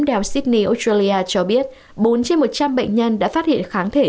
đèo sydney australia cho biết bốn trên một trăm linh bệnh nhân đã phát hiện kháng thể